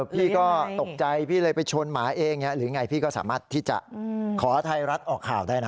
พี่ก็ตกใจพี่เลยไปชนหมาเองหรือไงพี่ก็สามารถที่จะขอไทยรัฐออกข่าวได้นะ